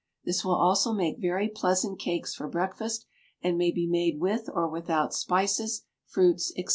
This will also make very pleasant cakes for breakfast, and may be made with or without spices, fruits, &c.